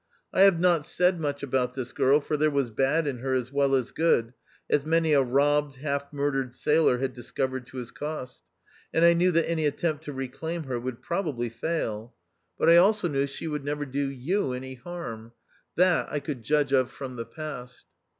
I have not said much about this girl, for there was bad in her as well as good, as many a robbed, half murdered sailor had discovered to his cost ; and I knew that any attempt to reclaim her would probably fail. But I also THE OUTCAST. 235 knew she would never do you any harm ; that I could judge of from the past.